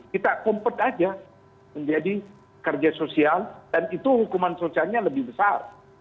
kita kompet aja menjadi kerja sosial dan itu hukuman sosialnya lebih besar